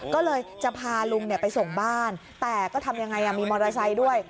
ก็เลยจะพาลุงไปส่งบ้านแต่ก็ทำยังไงมีมอเตอร์ไซค์ด้วย